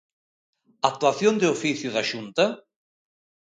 ¿Actuación de oficio da Xunta?